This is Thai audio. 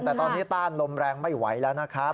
แต่ตอนนี้ต้านลมแรงไม่ไหวแล้วนะครับ